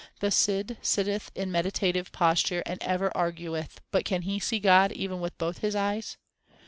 The Sidh sitteth in meditative posture and ever argueth, but can he see God even with both his eyes